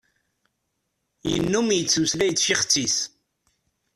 Yennum yettmeslay d tcixet-is.